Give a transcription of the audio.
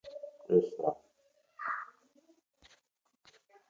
لەسەر باقە گیایەک دەلەوەڕێن، ئەوە چۆن دەبێ؟